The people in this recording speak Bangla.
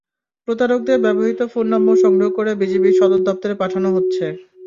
প্রতারকদের ব্যবহৃত ফোন নম্বর সংগ্রহ করে বিজিবির সদর দপ্তরে পাঠানো হচ্ছে।